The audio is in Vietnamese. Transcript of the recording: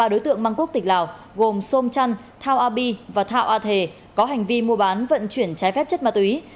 ba đối tượng mang quốc tịch lào gồm sôm trăn thao a bi và thao a thề có hành vi mua bán vận chuyển trái phép chất ma túy